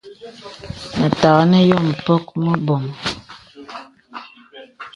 Mə̀tàghā nə yɔ̄m mpɔ̄k meboŋ.